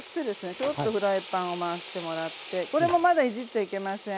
ちょっとフライパンを回してもらってこれもまだいじっちゃいけません。